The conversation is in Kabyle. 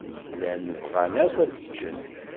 Llan bɣan akk ad ččen.